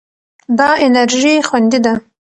دا انرژي خوندي ده.